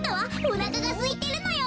おなかがすいてるのよ。